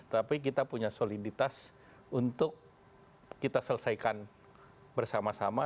tapi kita punya soliditas untuk kita selesaikan bersama sama